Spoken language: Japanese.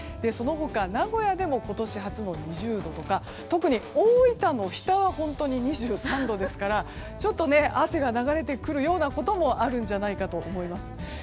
その他名古屋でも今年初の２０度とか特に、大分の日田は２３度ですからちょっと汗が流れてくるようなこともあるんじゃないかと思います。